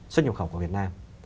xuất nhập khẩu của việt nam